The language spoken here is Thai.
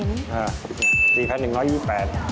นี่ยังไม่เห็น๔๑๒๐บาท